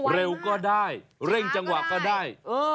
เร็วก็ได้เร่งจังหวะก็ได้